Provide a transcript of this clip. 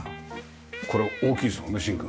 これ大きいですもんねシンク。